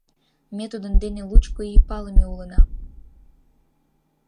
Ме тудын дене лучко ий палыме улына.